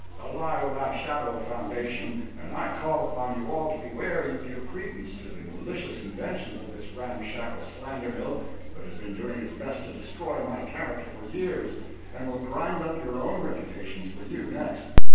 a lie without shadow of foundation, and I call upon you all to beware you give credence to the malicious inventions of this ramshackle slander mill that has been doing its best to destroy my character for years, and will grind up your own reputations for you next.